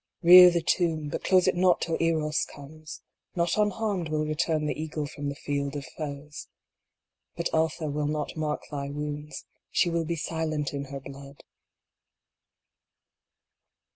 Rear the tomb, but close it not till Eros comes : Not unharmed will return the eagle from the field of foes. But Atha will not mark thy wounds, she will be silent in her blood.